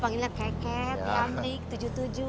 pangitnya ke ke amrik tujuh tujuh